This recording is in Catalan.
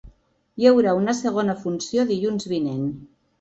Hi haurà una segona funció dilluns vinent.